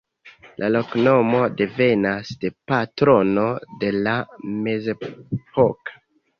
La loknomo devenas de patrono de la mezepoka preĝejo.